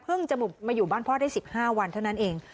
จะมาอยู่บ้านพ่อได้๑๕วันเท่านั้นเอง